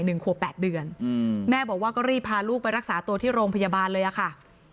หนึ่งขวบแปดเดือนอืมแม่บอกว่าก็รีบพาลูกไปรักษาตัวที่โรงพยาบาลเลยอ่ะค่ะ